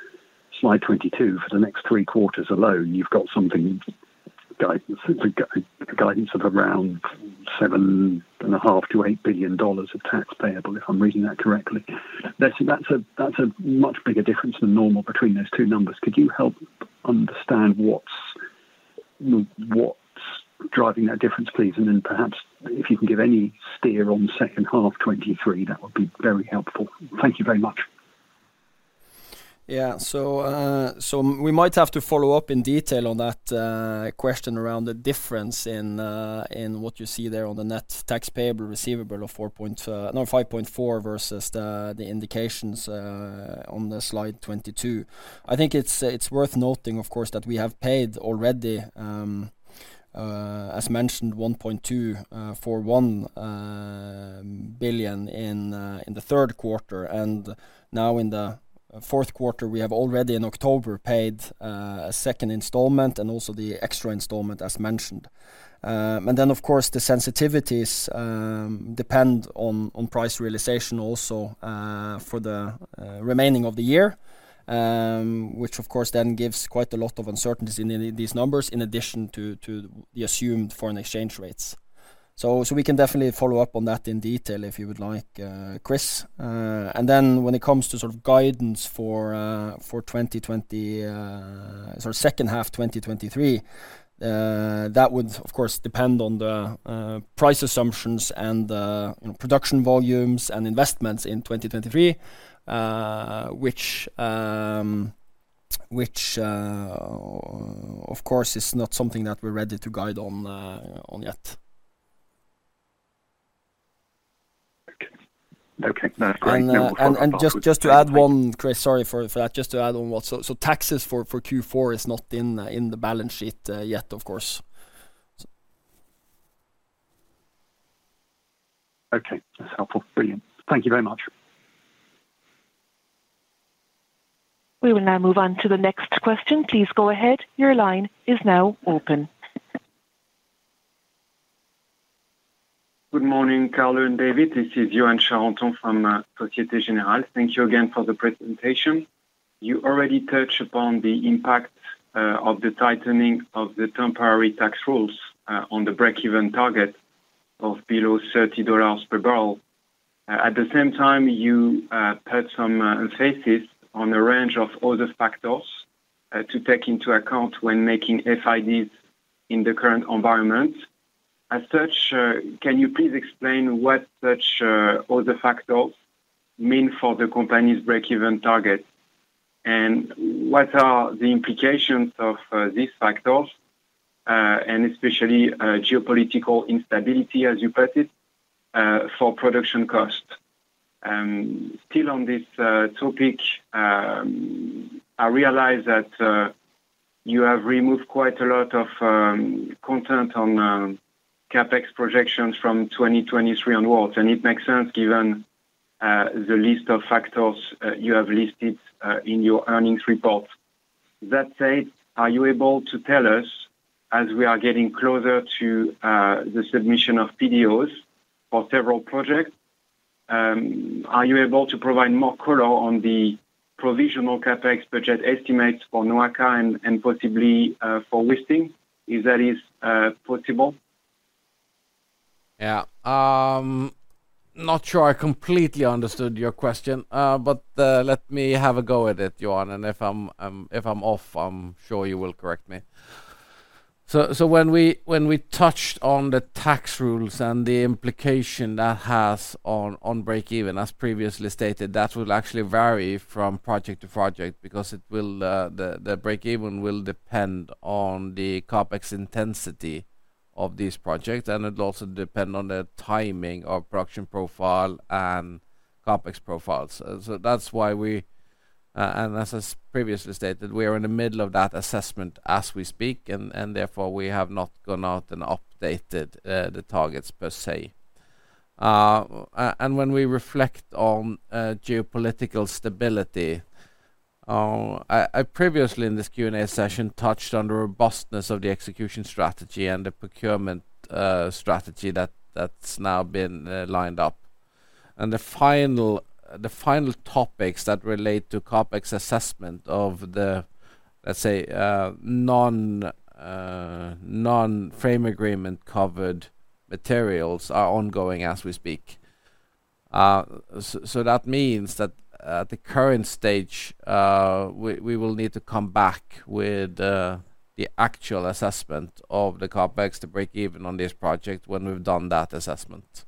slide 22 for the next three quarters alone, you've got some guidance of around $7.5-$8 billion of tax payable, if I'm reading that correctly. That's a much bigger difference than normal between those two numbers. Could you help understand what's driving that difference, please? Then perhaps if you can give any steer on second half 2023, that would be very helpful. Thank you very much. Yeah. We might have to follow up in detail on that question around the difference in what you see there on the net tax payable receivable of $5.4 versus the indications on the slide 22. I think it's worth noting, of course, that we have paid already as mentioned, $1.2 for $1 billion in the third quarter. Now in the fourth quarter, we have already in October paid a second installment and also the extra installment as mentioned. Then, of course, the sensitivities depend on price realization also for the remaining of the year, which of course then gives quite a lot of uncertainty in these numbers in addition to the assumed foreign exchange rates. We can definitely follow up on that in detail if you would like, Chris. When it comes to sort of guidance for second half 2023, that would of course depend on the price assumptions and the production volumes and investments in 2023, which of course is not something that we're ready to guide on yet. Okay. No, thanks. Just to add one, Chris, sorry for that. Taxes for Q4 is not in the balance sheet yet of course. Okay. That's helpful. Brilliant. Thank you very much. We will now move on to the next question. Please go ahead. Your line is now open. Good morning, Karl Johnny Hersvik and David Tønne. This is Yoann Charenton from Société Générale. Thank you again for the presentation. You already touched upon the impact of the tightening of the temporary tax rules on the breakeven target of below $30 per barrel. At the same time, you put some emphasis on a range of other factors to take into account when making FIDs in the current environment. As such, can you please explain what such other factors mean for the company's breakeven target? What are the implications of these factors and especially geopolitical instability as you put it for production costs? Still on this topic, I realize that you have removed quite a lot of content on CapEx projections from 2023 onwards, and it makes sense given the list of factors you have listed in your earnings report. That said, are you able to tell us, as we are getting closer to the submission of PDOs for several projects, are you able to provide more color on the provisional CapEx budget estimates for NOAKA and possibly for Wisting? If that is possible. Yeah. Not sure I completely understood your question, but let me have a go at it, Yoann. If I'm off, I'm sure you will correct me. When we touched on the tax rules and the implication that has on breakeven, as previously stated, that will actually vary from project to project because the breakeven will depend on the CapEx intensity of these projects, and it'll also depend on the timing of production profile and CapEx profiles. That's why we, and as is previously stated, we are in the middle of that assessment as we speak, and therefore, we have not gone out and updated the targets per se. When we reflect on geopolitical stability, I previously in this Q&A session touched on the robustness of the execution strategy and the procurement strategy that's now been lined up. The final topics that relate to CapEx assessment of the, let's say, non-frame agreement covered materials are ongoing as we speak. That means that at the current stage, we will need to come back with the actual assessment of the CapEx to breakeven on this project when we've done that assessment.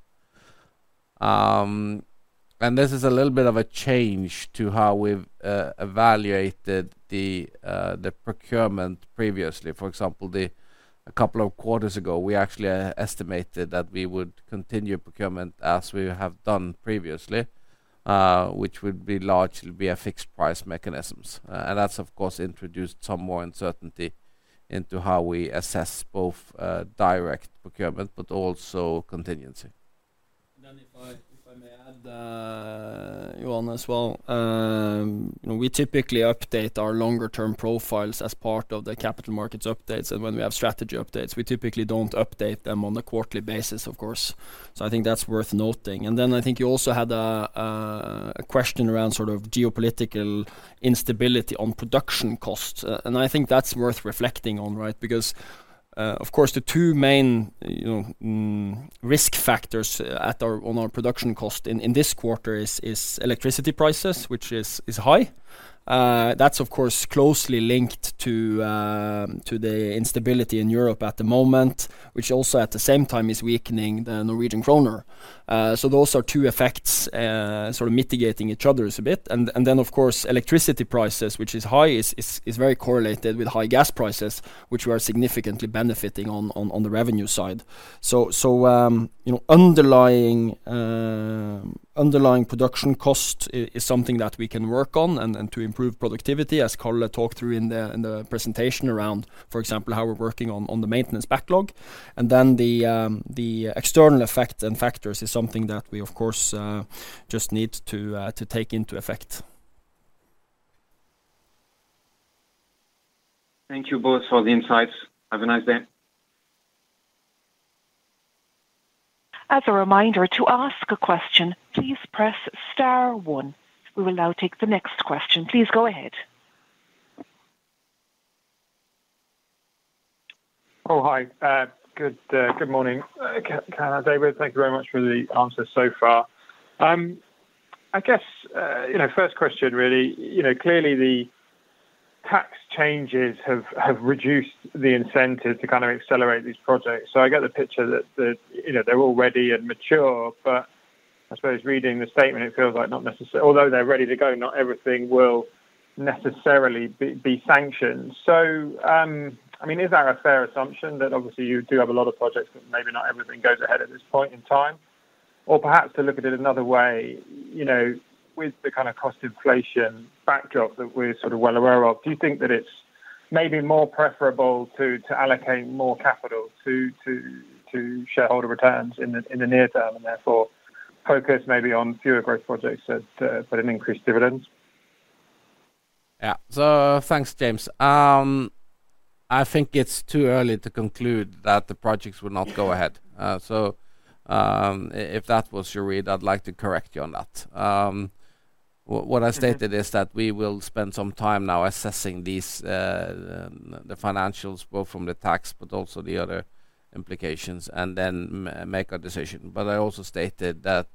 This is a little bit of a change to how we've evaluated the procurement previously. For example, a couple of quarters ago, we actually estimated that we would continue procurement as we have done previously, which would largely be a fixed price mechanisms. That's of course introduced some more uncertainty into how we assess both direct procurement, but also contingency. If I may add, Yoann as well. We typically update our longer term profiles as part of the capital markets updates and when we have strategy updates. We typically don't update them on a quarterly basis, of course. I think that's worth noting. I think you also had a question around sort of geopolitical instability on production costs. I think that's worth reflecting on, right? Because, of course, the two main risk factors on our production cost in this quarter is electricity prices, which is high. That's of course closely linked to the instability in Europe at the moment, which also at the same time is weakening the Norwegian kroner. Those are two effects, sort of mitigating each other's a bit. Of course, electricity prices, which is high, is very correlated with high gas prices, which we are significantly benefiting on the revenue side. You know, underlying production cost is something that we can work on and to improve productivity, as Karl talked through in the presentation around, for example, how we're working on the maintenance backlog. The external effect and factors is something that we of course just need to take into effect. Thank you both for the insights. Have a nice day. As a reminder, to ask a question, please press star one. We will now take the next question. Please go ahead. Oh, hi. Good morning, Karl, David. Thank you very much for the answers so far. I guess you know first question, really clearly the tax changes have reduced the incentive to kind of accelerate these projects. I get the picture that you know they're all ready and mature. I suppose reading the statement, it feels like although they're ready to go, not everything will necessarily be sanctioned. I mean, is that a fair assumption? That obviously you do have a lot of projects, but maybe not everything goes ahead at this point in time. Perhaps to look at it another way with the kinda cost inflation backdrop that we're sort of well aware of, do you think that it's maybe more preferable to allocate more capital to shareholder returns in the near term, and therefore focus maybe on fewer growth projects but an increased dividends? Yeah. Thanks, James. I think it's too early to conclude that the projects will not go ahead. If that was your read, I'd like to correct you on that. What I stated is that we will spend some time now assessing these, the financials, both from the tax, but also the other implications, and then make a decision. I also stated that,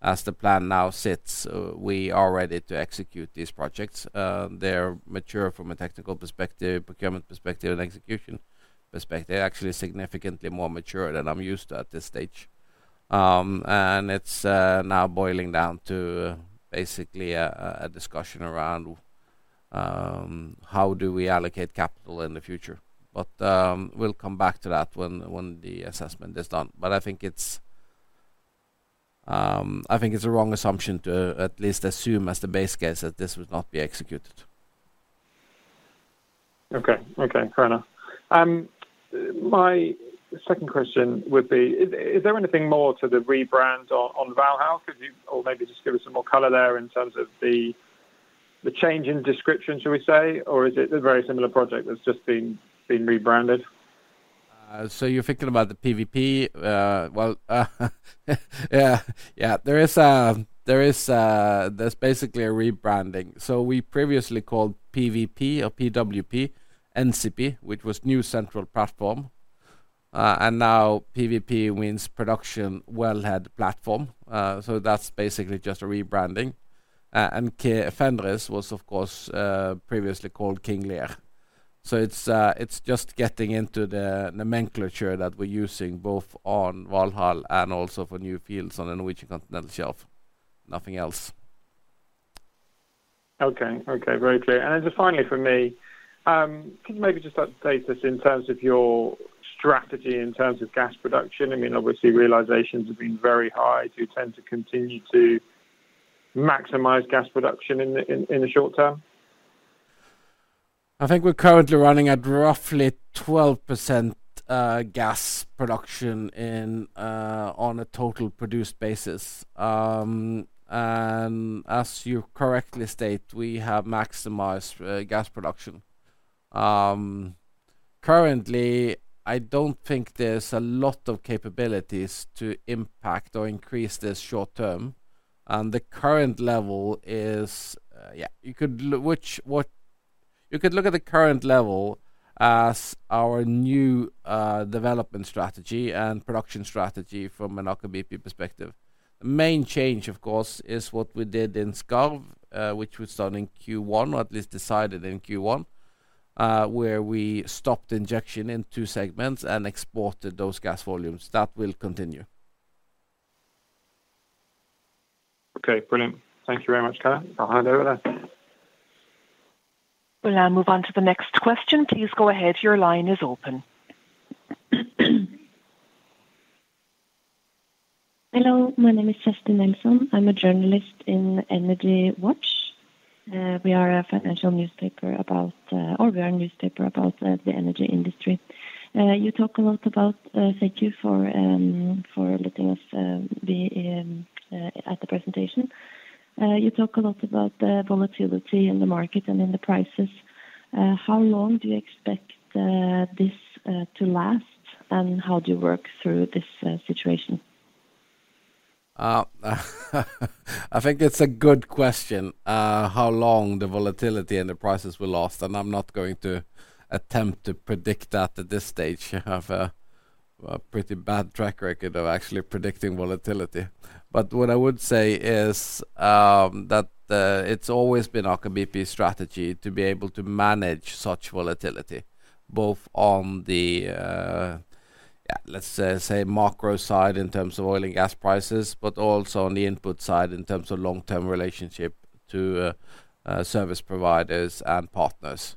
as the plan now sits, we are ready to execute these projects. They're mature from a technical perspective, procurement perspective and execution perspective. They're actually significantly more mature than I'm used to at this stage. It's now boiling down to basically a discussion around, how do we allocate capital in the future. We'll come back to that when the assessment is done. I think it's a wrong assumption to at least assume as the base case that this would not be executed. Okay. Fair enough. My second question would be, is there anything more to the rebrand on Valhall? Could you or maybe just give us some more color there in terms of the change in description, shall we say? Or is it a very similar project that's just been rebranded? You're thinking about the PWP? Well, yeah. There's basically a rebranding. We previously called PWP, NCP, which was new central platform. And now PWP means production wellhead platform. That's basically just a rebranding. And Fenris was, of course, previously called King Lear. It's just getting into the nomenclature that we're using both on Valhall and also for new fields on the Norwegian Continental Shelf, nothing else. Okay. Very clear. Just finally from me, could you maybe just update us in terms of your strategy in terms of gas production? I mean, obviously realizations have been very high. Do you tend to continue to maximize gas production in the short term? I think we're currently running at roughly 12%, gas production in, on a total produced basis. As you correctly state, we have maximized gas production. Currently, I don't think there's a lot of capabilities to impact or increase this short term, and the current level is, yeah. You could look at the current level as our new development strategy and production strategy from an Aker BP perspective. The main change, of course, is what we did in Skarv, which was done in Q1, or at least decided in Q1, where we stopped injection in two segments and exported those gas volumes. That will continue. Okay, brilliant. Thank you very much, Karl. I'll hand over then. We'll now move on to the next question. Please go ahead. Your line is open. Hello, my name is Kerstin Nelsson. I'm a journalist in EnergyWatch. We are a newspaper about the energy industry. Thank you for letting us be at the presentation. You talk a lot about the volatility in the market and in the prices. How long do you expect this to last, and how do you work through this situation? I think it's a good question, how long the volatility and the prices will last, and I'm not going to attempt to predict that at this stage. I have a pretty bad track record of actually predicting volatility. What I would say is, that it's always been Aker BP strategy to be able to manage such volatility, both on the, let's say, macro side in terms of oil and gas prices, but also on the input side in terms of long-term relationship to, service providers and partners.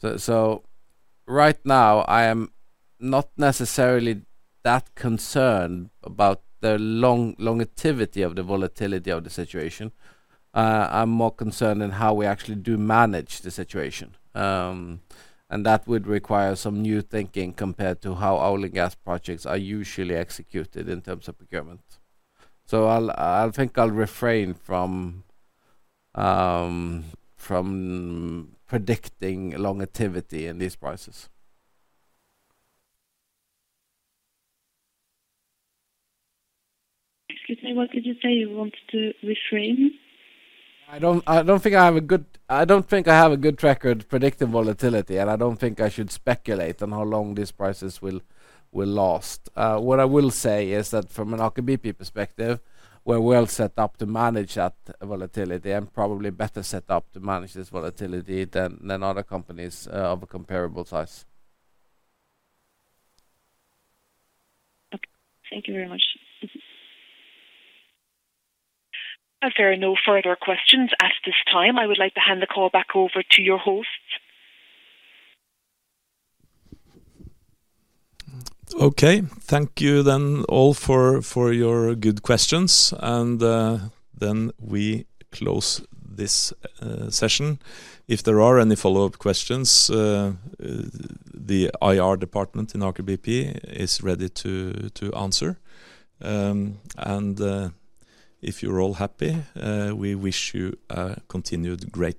Right now, I am not necessarily that concerned about the longevity of the volatility of the situation. I'm more concerned in how we actually do manage the situation. That would require some new thinking compared to how oil and gas projects are usually executed in terms of procurement. I think I'll refrain from predicting longevity in these prices. Excuse me. What did you say you wanted to refrain? I don't think I have a good track record predicting volatility, and I don't think I should speculate on how long these prices will last. What I will say is that from an Aker BP perspective, we're well set up to manage that volatility and probably better set up to manage this volatility than other companies of a comparable size. Okay. Thank you very much. As there are no further questions at this time, I would like to hand the call back over to your host. Okay. Thank you then all for your good questions, and then we close this session. If there are any follow-up questions, the IR department in Aker BP is ready to answer. If you're all happy, we wish you a continued great day.